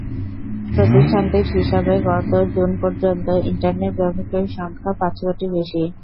প্রতিষ্ঠানটির হিসাবে গত জুন পর্যন্ত ইন্টারনেট ব্যবহারকারীর সংখ্যা পাঁচ কোটির বেশি।